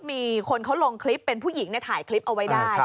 มีคนเขาลงคลิปเป็นผู้หญิงถ่ายคลิปเอาไว้ได้